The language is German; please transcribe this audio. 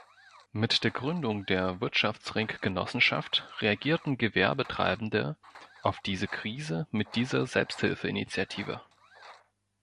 Mit der Gründung der Wirtschaftsring-Genossenschaft reagierten Gewerbetreibende auf diese Krise mit dieser Selbsthilfe-Initiative.